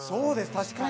確かに。